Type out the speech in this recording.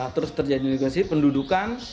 terus terjadi negasi pendudukan